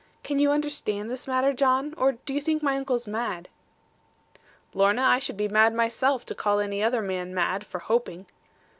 Can you understand this matter, John? Or do you think my uncle mad?' 'Lorna, I should be mad myself, to call any other man mad, for hoping.'